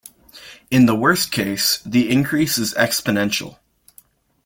In the worst case, the increase is exponential.